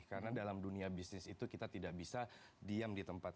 karena dalam dunia bisnis itu kita tidak bisa diam di tempat